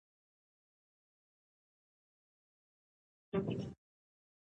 د محلي کلتور د پراختیا لپاره تعلیم باندې تکیه کیږي.